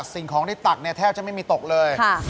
สิ่งของที่ตักแทบจะไม่มีตกเลยค่ะ